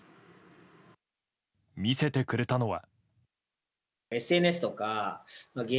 見せてくれたのは。